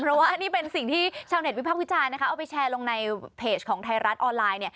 เพราะว่านี่เป็นสิ่งที่ชาวเน็ตวิพากษ์วิจารณ์นะคะเอาไปแชร์ลงในเพจของไทยรัฐออนไลน์